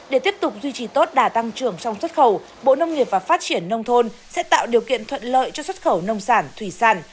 để tiếp tục duy trì tốt đà tăng trưởng trong xuất khẩu bộ nông nghiệp và phát triển nông thôn sẽ tạo điều kiện thuận lợi cho xuất khẩu nông sản thủy sản